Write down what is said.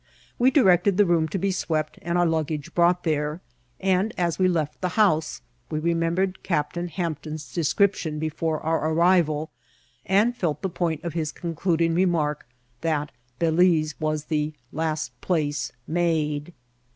We directed the toom to be swept and our luggage brought there ; and, as we left the house, we remembered Captain Hampton's description before our arrival, and felt the point of his concluding remark, that Balize was the last place made.